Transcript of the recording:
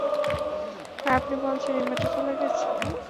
আর আপনি বলছেন, এইমাত্র চলে গেছে?